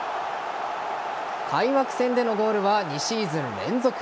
開幕戦でのゴールは２シーズン連続。